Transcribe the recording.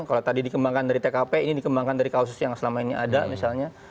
kalau tadi dikembangkan dari tkp ini dikembangkan dari kasus yang selama ini ada misalnya